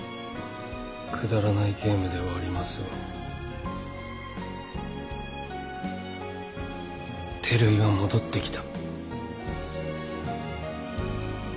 くだらないゲームではありますが照井は戻ってきた。